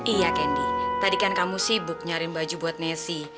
iya candy tadi kan kamu sibuk nyarin baju buat messi